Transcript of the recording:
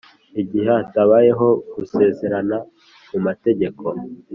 igihe hatabayeho gusezerana mu mategeko,